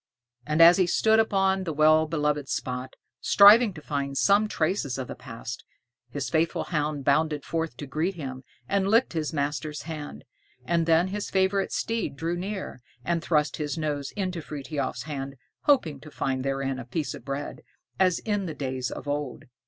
And as he stood upon the well loved spot, striving to find some traces of the past, his faithful hound bounded forth to greet him, and licked his master's hand. And then his favorite steed drew near, and thrust his nose into Frithiof's hand, hoping to find therein a piece of bread, as in the days of old.